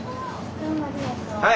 はい。